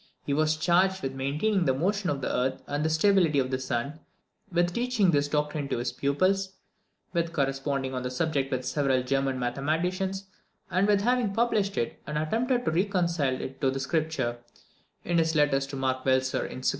He was charged with maintaining the motion of the earth, and the stability of the sun with teaching this doctrine to his pupils with corresponding on the subject with several German mathematicians and with having published it, and attempted to reconcile it to Scripture, in his letters to Mark Velser in 1612.